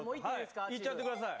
いっちゃって下さい。